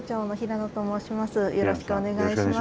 よろしくお願いします。